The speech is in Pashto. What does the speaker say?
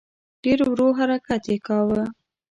ډېر ورو حرکت یې کاوه.